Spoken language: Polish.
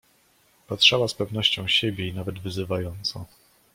"Patrzała z pewnością siebie i nawet wyzywająco."